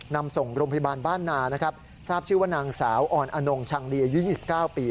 นำส่งโรงพยาบาลบ้านนานะครับทราบชื่อว่านางสาวอ่อนอนงชังดีอายุ๒๙ปี